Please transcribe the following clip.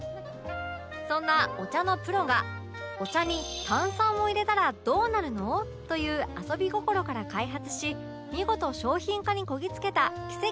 そんなお茶のプロが「お茶に炭酸を入れたらどうなるの？」という遊び心から開発し見事商品化にこぎつけた奇跡のひと品